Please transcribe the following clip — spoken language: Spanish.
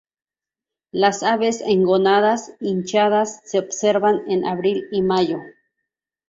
Las aves con gónadas hinchadas se observan en abril y mayo.